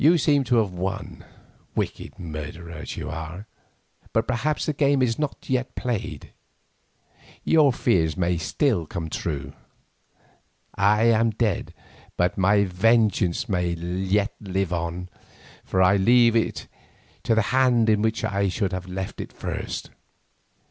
You seem to have won, wicked murderer as you are, but perhaps the game is not yet played. Your fears may still come true. I am dead, but my vengeance may yet live on, for I leave it to the Hand in which I should have left it at first.